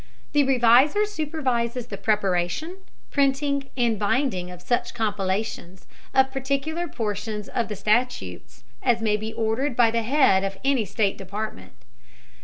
The reviser supervises the preparation, printing, and binding of such compilations of particular portions of the statutes as may be ordered by the head of any state department.